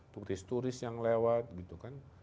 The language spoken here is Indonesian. turis turis yang lewat gitu kan